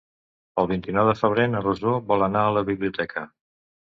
El vint-i-nou de febrer na Rosó vol anar a la biblioteca.